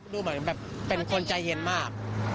ดูเหมือนแบบเป็นคนใจเย็นมาก